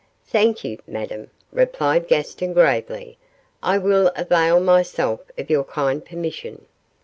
'Thank you, Madame,' replied Gaston, gravely. 'I will avail myself of your kind permission.